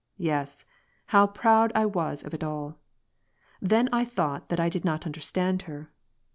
Yes, how proud I was of it all ! then I thought that I did not understand her.